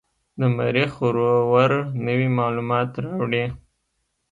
د مریخ روور نوې معلومات راوړي.